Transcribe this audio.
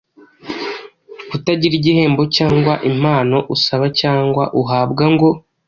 kutagira igihembo cyangwa impano, usaba cyangwa uhabwa ngo